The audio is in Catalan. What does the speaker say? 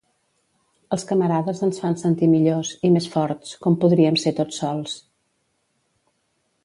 Els camarades ens fan sentir millors, i més forts, com podríem ser tots sols.